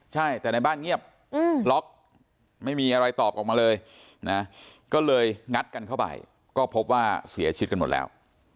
ใช่แต่ในบ้านเงียบล็อกไม่มีอะไรตอบออกมาเลยนะก็เลยงัดกันเข้าไปก็พบว่าเสียชีวิตกันหมดแล้ว